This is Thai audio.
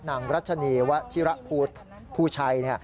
นางรัชนีวชิระภูชัย